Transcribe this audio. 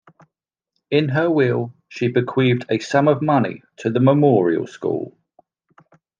In her will, she bequeathed a sum of money to the Memorial School.